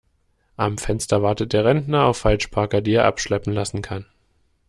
Am Fenster wartet der Rentner auf Falschparker, die er abschleppen lassen kann.